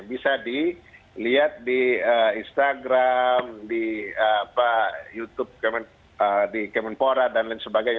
bisa dilihat di instagram di youtube di kemenpora dan lain sebagainya